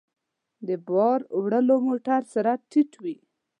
د بار وړلو موټر سرعت ټيټ وي.